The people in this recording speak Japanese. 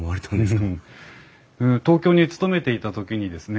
東京に勤めていた時にですね